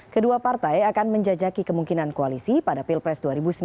kedua partai akan menjajaki kemungkinan koalisi pada pilpres dua ribu sembilan belas